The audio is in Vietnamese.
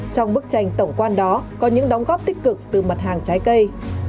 trong bức tranh tổng quan đó có những đóng góp tích cực từ mặt hàng trái cây